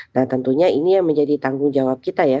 nah tentunya ini yang menjadi tanggung jawab kita ya